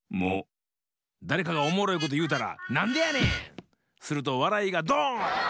だれかがおもろいこというたら「なんでやねん！」。するとわらいがドーン！